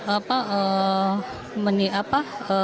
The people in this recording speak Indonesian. apa meni apa